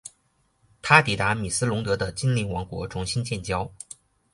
他抵达米斯龙德的精灵王国重新建交。